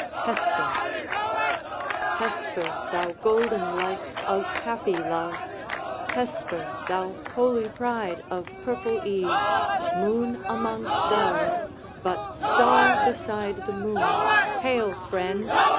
HESPER Hesper, thou golden light of happy love, Hesper, thou holy pride of purple eve, Moon among stars, but star beside the moon, Hail, friend!